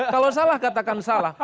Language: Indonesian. kalau salah katakan salah